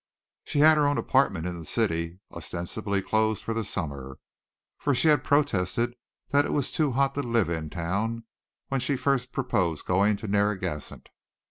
She had her own apartment in the city, ostensibly closed for the summer, for she had protested that it was too hot to live in town when she first proposed going to Narragansett.